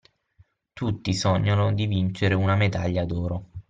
Tutti sognano di vincere una medaglia d'oro.